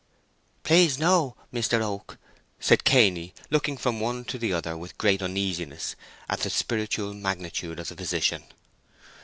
"Please no, Mister Oak!" said Cainy, looking from one to the other with great uneasiness at the spiritual magnitude of the position.